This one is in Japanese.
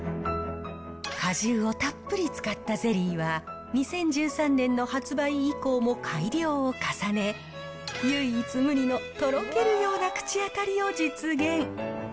果汁をたっぷり使ったゼリーは、２０１３年の発売以降も改良を重ね、唯一無二のとろけるような口当たりを実現。